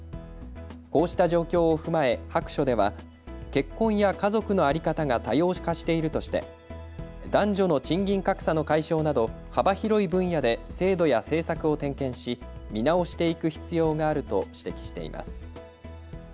こうした状況を踏まえ白書では結婚や家族の在り方が多様化しているとして男女の賃金格差の解消など幅広い分野で制度や政策を点検し見直していく必要があると指摘しています。